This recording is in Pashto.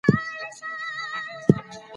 قناعت روغتيا ده